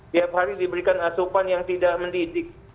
tiap hari diberikan asupan yang tidak mendidik